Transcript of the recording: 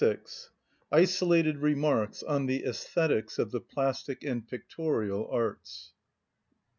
(20) Isolated Remarks On The Æsthetics Of The Plastic And Pictorial Arts.